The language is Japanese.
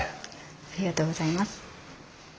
ありがとうございます。